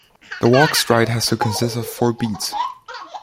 The walk stride has to consist of four beats.